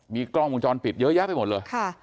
มีกล้องวงจรปิดเยอะแยะไปหมดเลย